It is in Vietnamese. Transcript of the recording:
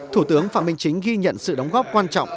thủ tướng phạm minh chính ghi nhận sự đóng góp quan trọng